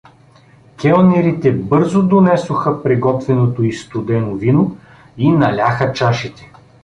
Келнерите бързо донесоха приготвеното изстудено вино и наляха чашите.